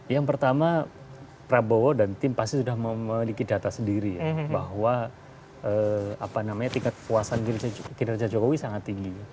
yang pertama prabowo dan tim pasti sudah memiliki data sendiri bahwa tingkat kepuasan kinerja jokowi sangat tinggi